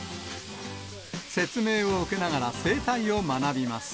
説明を受けながら、生態を学びます。